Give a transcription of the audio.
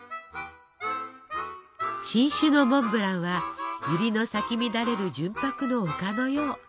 新種のモンブランはゆりの咲き乱れる純白の丘のよう。